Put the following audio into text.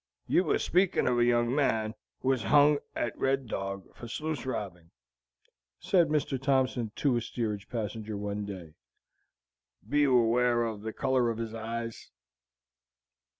"You was speaking of a young man which was hung at Red Dog for sluice robbing," said Mr. Thompson to a steerage passenger, one day; "be you aware of the color of his eyes?"